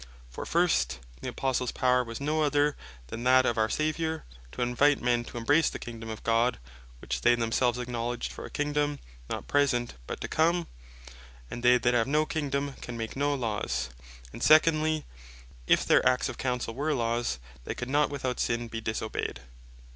For first, the Apostles power was no other than that of our Saviour, to invite men to embrace the Kingdome of God; which they themselves acknowledged for a Kingdome (not present, but) to come; and they that have no Kingdome, can make no Laws. And secondly, if their Acts of Councell, were Laws, they could not without sin be disobeyed.